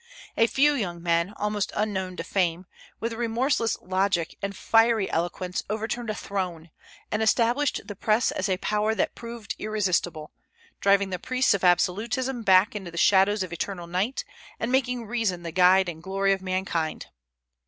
A few young men, almost unknown to fame, with remorseless logic and fiery eloquence overturned a throne, and established the Press as a power that proved irresistible, driving the priests of absolutism back into the shadows of eternal night, and making reason the guide and glory of mankind.